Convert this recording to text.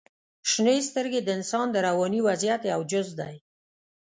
• شنې سترګې د انسان د رواني وضعیت یو جز دی.